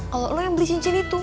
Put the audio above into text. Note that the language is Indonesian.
kalau lo yang beli cincin itu